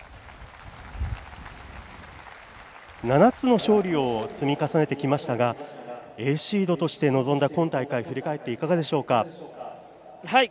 ７つの勝利を積み重ねてきましたがＡシードとして臨んだ今大会いかがだったでしょうか？